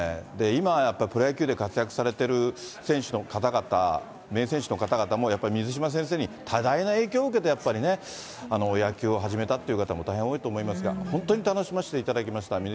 今、やっぱりプロ野球で活躍されてる選手の方々、名選手の方々もやっぱり水島先生に多大な影響を受けて、やっぱりね、野球を始めたという方も大変多いと思いますが、本当に楽しませていただきました。